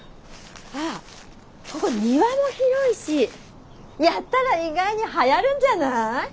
ここ庭も広いしやったら意外にはやるんじゃない？